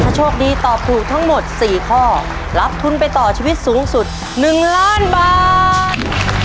ถ้าโชคดีตอบถูกทั้งหมด๔ข้อรับทุนไปต่อชีวิตสูงสุด๑ล้านบาท